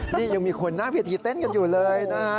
นี่ยังมีคนหน้าเวทีเต้นกันอยู่เลยนะฮะ